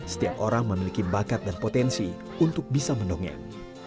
setiap orang memiliki bakat dan potensi untuk bisa mendongeng